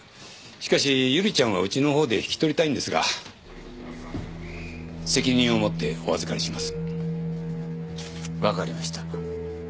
しかし百合ちゃんはうちのほうで引き取りたいんですが責任を持ってお預かりします